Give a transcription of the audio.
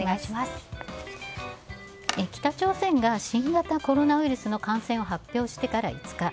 北朝鮮が新型コロナウイルスの感染を発表してから５日。